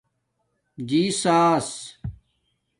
ݼئ ساٰس